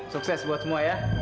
sukses buat semua ya